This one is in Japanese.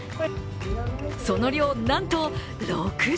その量、なんと６０ｋｇ。